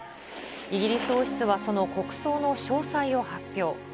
イギリス王室はその国葬の詳細を発表。